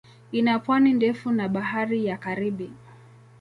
Ina pwani ndefu na Bahari ya Karibi.